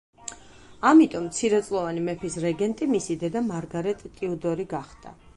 ამიტომ, მცირეწლოვანი მეფის რეგენტი მისი დედა მარგარეტ ტიუდორი გახდა.